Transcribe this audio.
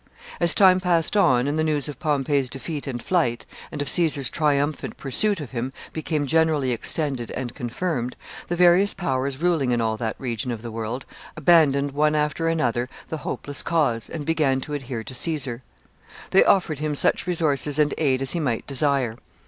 As time passed on, and the news of Pompey's defeat and flight, and of Caesar's triumphant pursuit of him, became generally extended and confirmed, the various powers ruling in all that region of the world abandoned one after another the hopeless cause, and began to adhere to Caesar. They offered him such resources and aid as he might desire.